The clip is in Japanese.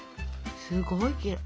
すごいきれい。